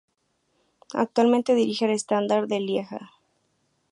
Actualmente dirige al Standard de Lieja.